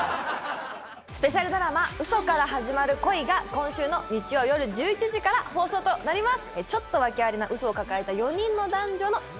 スペシャルドラマ、嘘から始まる恋が今週の日曜夜１１時から放送となります。